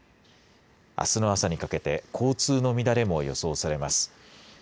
あすの朝にかけて交通の乱れも予想されます。